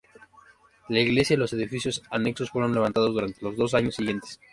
La iglesia y los edificios anexos fueron levantados durante los dos años siguientes.